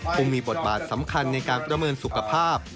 ผู้มีบทบาทสำคัญในการประเมินสุขภาพ